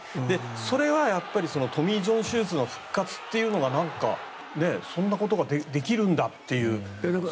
それはトミー・ジョン手術の復活というのがそんなことができるんだっていう。